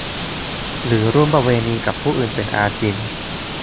หรือร่วมประเวณีกับผู้อื่นเป็นอาจิณ